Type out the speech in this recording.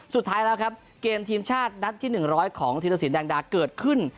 สุดท้ายแล้วครับเกมทีมชาตินัดที่๑๐๐ของธีรสินแดงดาเกิดขึ้น